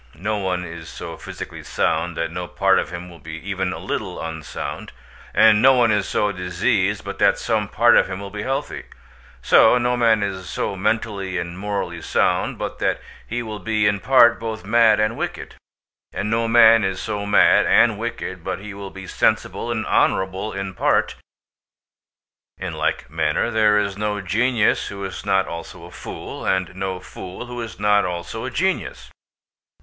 No one is so physically sound that no part of him will be even a little unsound, and no one is so diseased but that some part of him will be healthy—so no man is so mentally and morally sound, but that he will be in part both mad and wicked; and no man is so mad and wicked but he will be sensible and honourable in part. In like manner there is no genius who is not also a fool, and no fool who is not also a genius.